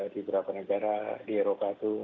di beberapa negara di eropa itu